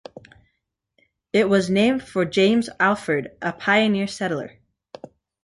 It was named for James Alford, a pioneer settler.